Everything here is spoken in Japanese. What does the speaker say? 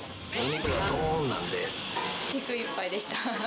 肉がいっぱいでした。